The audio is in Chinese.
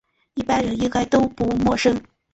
一般人应该都不陌生